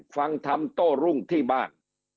ฟังทำโต้รุ่งที่บ้าน